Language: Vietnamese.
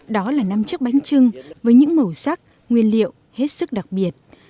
đó là năm chiếc bánh trưng với những màu sắc nguyên liệu hết sức đặc biệt